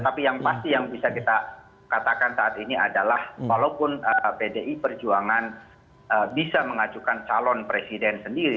tapi yang pasti yang bisa kita katakan saat ini adalah walaupun pdi perjuangan bisa mengajukan calon presiden sendiri